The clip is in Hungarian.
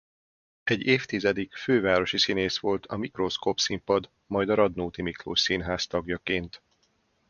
Egy évtizedig fővárosi színész volt a Mikroszkóp Színpad majd a Radnóti Miklós Színház tagjaként.